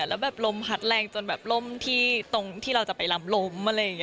แล้วแบบลมพัดแรงจนแบบล่มที่ตรงที่เราจะไปลำล้มอะไรอย่างนี้